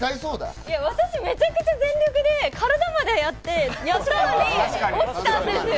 私、めちゃくちゃ全力で体までやったのに、落ちたんですよ。